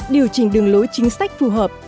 điều chỉnh đường lối chính sách phù hợp